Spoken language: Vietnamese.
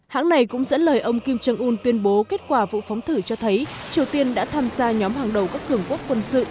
hãng này cũng dẫn lời ông kim jong un tuyên bố kết quả vụ phóng thử cho thấy triều tiên đã tham gia nhóm hàng đầu các cường quốc quân sự